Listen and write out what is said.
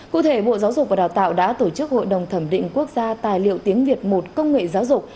cụ thể bộ giáo dục và đào tạo đã tổ chức hội đồng thẩm định quốc gia tài liệu tiếng việt một công nghệ giáo dục